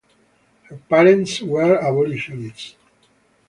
Her parents were abolitionists.